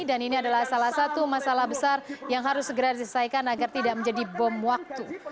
dan ini adalah salah satu masalah besar yang harus segera diselesaikan agar tidak menjadi bom waktu